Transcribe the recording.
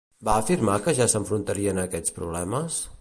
Va afirmar que ja s'enfrontarien a aquests problemes?